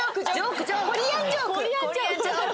コリアンジョーク！